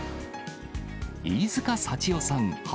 飯塚幸男さん